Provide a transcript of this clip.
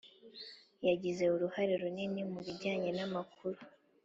yagize uruhare runini mu bijyanye n’amakuru.